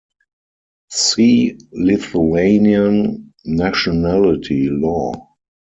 See Lithuanian nationality law.